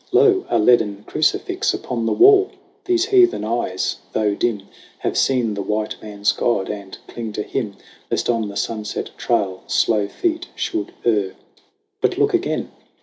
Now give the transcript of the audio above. Lo, a leaden crucifix Upon the wall ! These heathen eyes, though dim, Have seen the white man's God and cling to Him, Lest on the sunset trail slow feet should err. But look again.